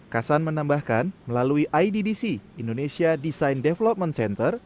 kasan menambahkan melalui iddc indonesia design development center